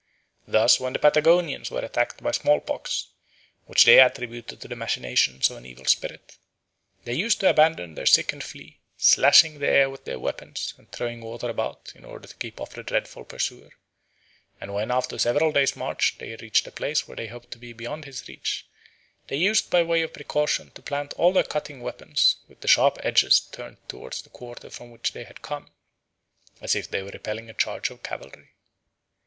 Thus when the Patagonians were attacked by small pox, which they attributed to the machinations of an evil spirit, they used to abandon their sick and flee, slashing the air with their weapons and throwing water about in order to keep off the dreadful pursuer; and when after several days' march they reached a place where they hoped to be beyond his reach, they used by way of precaution to plant all their cutting weapons with the sharp edges turned towards the quarter from which they had come, as if they were repelling a charge of cavalry.